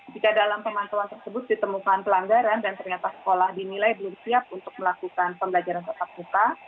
jika dalam pemantauan tersebut ditemukan pelanggaran dan ternyata sekolah dinilai belum siap untuk melakukan pembelajaran tetap muka